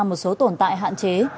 một số tồn tại hạn chế